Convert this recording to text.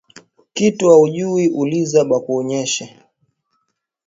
Kitu aujuwi uliza bakuoneshe